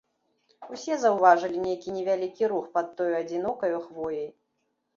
Усе заўважылі нейкі невялікі рух пад тою адзінокаю хвояй.